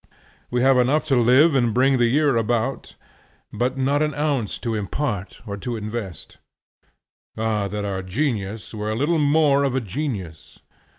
We have enough to live and bring the year about, but not an ounce to impart or to invest. Ah that our Genius were a little more of a genius!